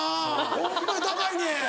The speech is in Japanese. ホンマに高いねん。